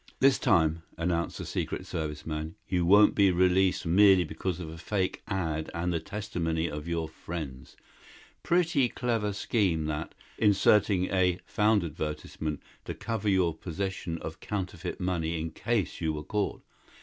"This time," announced the Secret Service man, "you won't be released merely because of a fake ad. and the testimony of your friends. Pretty clever scheme, that. Inserting a 'found advertisement' to cover your possession of counterfeit money in case you were caught.